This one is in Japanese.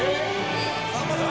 さんまさん？